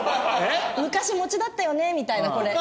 昔もちだったよねみたいなこれ。